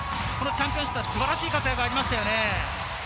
チャンピオンシップは素晴らしい活躍がありましたよね。